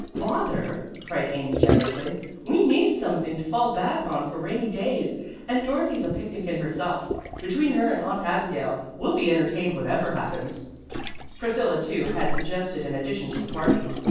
"Bother!" cried Amy generously. "We need something to fall back on for rainy days, and Dorothy's a picnic in herself. Between her and Aunt Abigail we'll be entertained whatever happens." Priscilla, too, had suggested an addition to the party.